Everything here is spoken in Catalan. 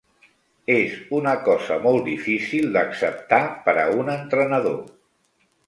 És una cosa molt difícil d'acceptar per a un entrenador.